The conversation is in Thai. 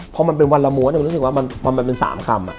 เพราะมันเป็นวันละมวลรู้สึกว่ามันเป็น๓คำ